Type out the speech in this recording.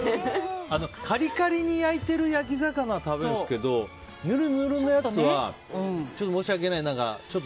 カリカリに焼いてる焼き魚は食べるんですけどぬるぬるのやつは申し訳ない。